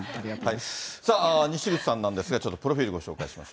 さあ、にしぐちさんなんですが、ちょっとプロフィールご紹介します。